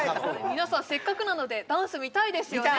皆さんせっかくなのでダンス見たいですよね？